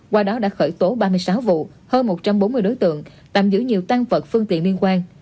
qua đó đã khởi tố ba mươi sáu vụ hơn một trăm bốn mươi đối tượng tạm giữ nhiều tăng vật phương tiện liên quan